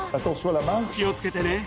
気を付けてね。